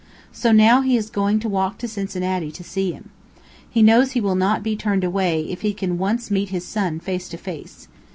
So now he is going to walk to Cincinnati to see him. He knows he will not be turned away if he can once meet his son, face to face.